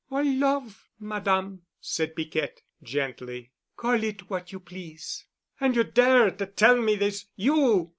"Or love, Madame," said Piquette gently, "call it what you please." "And you dare to tell me this—you!"